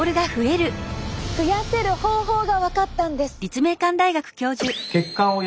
増やせる方法が分かったんです。